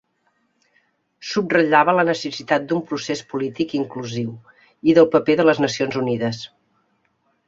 Subratllava la necessitat d'un procés polític inclusiu i del paper de les Nacions Unides.